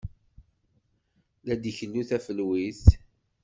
La d-ikellu tafelwit.